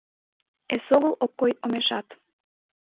Эсогыл ок кой омешат.